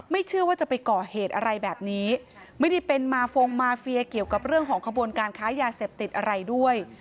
เชื่อว่าจะไปก่อเหตุอะไรแบบนี้ไม่ได้เป็นมาฟงมาเฟียเกี่ยวกับเรื่องของขบวนการค้ายาเสพติดอะไรด้วย